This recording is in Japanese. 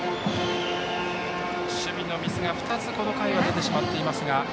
守備のミスが２つ、この回は出てしまっています。